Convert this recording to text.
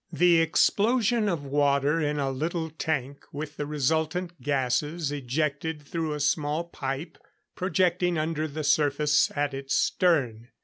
The explosion of water in a little tank, with the resultant gases ejected through a small pipe projecting under the surface at its stern.